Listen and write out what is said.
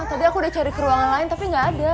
tadi aku udah cari ke ruangan lain tapi gak ada